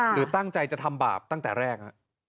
หรือตั้งใจจะทำบาปตั้งแต่แรก